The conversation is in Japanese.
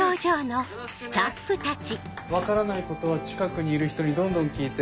分からないことは近くにいる人にどんどん聞いて。